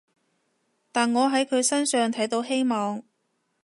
但我喺佢身上睇到希望